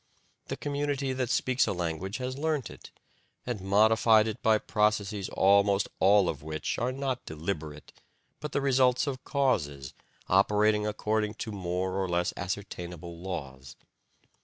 The community that speaks a language has learnt it, and modified it by processes almost all of which are not deliberate, but the results of causes operating according to more or less ascertainable laws.